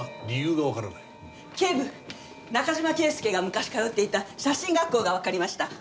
警部中島圭介が昔通っていた写真学校がわかりました。